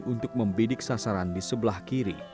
untuk membidik sasaran di sebelah kiri